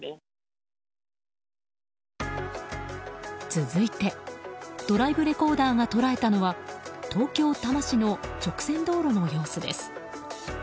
続いてドライブレコーダーが捉えたのは東京・多摩市の直線道路の様子です。